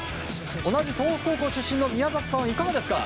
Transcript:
同じ東北高校出身の宮里さんいかがですか？